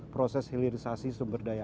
proses hilirisasi sumber daya